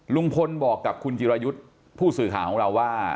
ลุงพลบอกกับคุณจิรายุทธ์ผู้สื่อข่าวของเราว่า